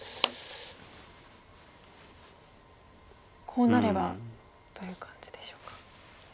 こうなればという感じでしょうか。